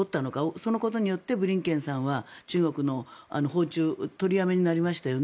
そのことによってブリンケンさんは中国の訪中が取りやめになりましたよね。